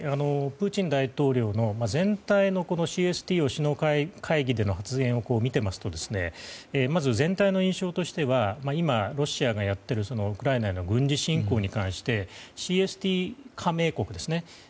プーチン大統領の全体のＣＳＴＯの首脳会議での発言を見ていますとまず全体の印象としては今、ロシアがやっているウクライナへの軍事侵攻に関してＣＳＴＯ加盟国ですね